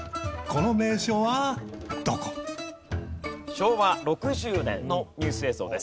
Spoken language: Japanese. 昭和６０年のニュース映像です。